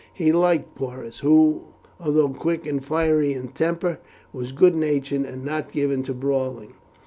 He liked Porus, who, although quick and fiery in temper, was good natured and not given to brawling.